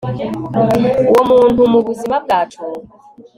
uwo muntu mubuzima bwacu